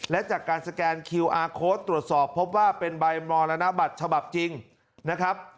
และจากการสแกนคิวอาร์โค้ดตรวจสอบพบว่าเป็นใบมรณบัตรฉบับจริงนะครับ